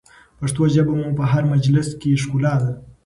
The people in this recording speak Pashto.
پښتو ژبه مو په هر مجلس کې ښکلا ده.